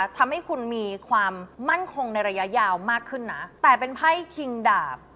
ที่กลัวมากขึ้นนะแต่เป็นไพร่ครีงดาบ